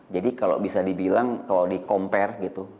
jadi kalau bisa dibilang kalau di compare gitu